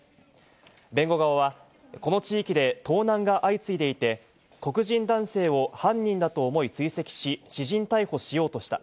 弁護側は、この地域で盗難が相次いでいて、黒人男性を犯人だと思い追跡し、私人逮捕しようとした。